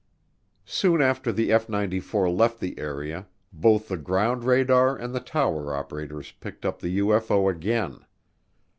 Soon after the F 94 left the area, both the ground radar and the tower operators picked up the UFO again.